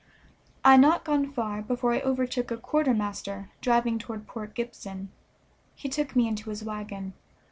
I had not gone far before I overtook a quartermaster driving toward Port Gibson; he took me into his wagon.